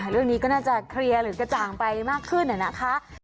เรื่องนี้ก็น่าจะเคลียร์หรือกระจ่างไปมากขึ้นนะคะ